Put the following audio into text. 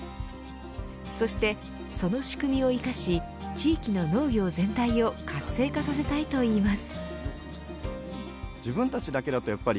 そして、その仕組みを生かし地域の農業全体を活性化させたいと言います。